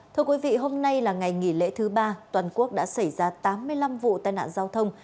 thưa quý vị hôm nay là ngày nghỉ lễ thứ ba toàn quốc đã xảy ra tám mươi năm vụ tai nạn giao thông